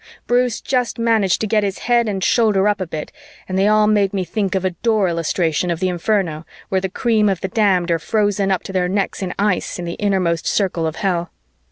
Bruce just managed to get his head and one shoulder up a bit, and they all made me think of a Dore illustration of the Inferno where the cream of the damned are frozen up to their necks in ice in the innermost circle of Hell.